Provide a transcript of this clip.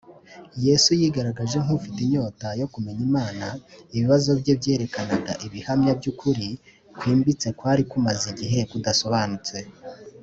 Yesu yigaragaje nk’ufite inyota yo kumenya Imana. Ibibazo bye byerekanaga ibihamya by’ukuri kwimbitse kwari kumaze igihe kudasobanutse